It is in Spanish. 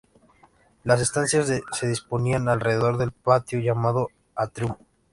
Las estancias se disponían alrededor del patio, llamado atrium.